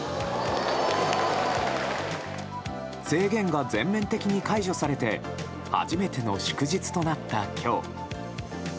制限が全面的に解除されて初めての祝日となった今日。